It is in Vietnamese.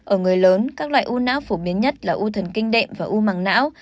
ở người lớn các loại u não phổ biến nhất là u thần kinh đệm và u màng não